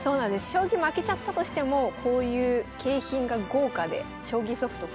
将棋負けちゃったとしてもこういう景品が豪華で将棋ソフト